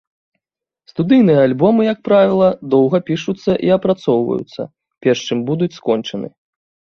Студыйныя альбомы, як правіла, доўга пішуцца і апрацоўваюцца, перш чым будуць скончаны.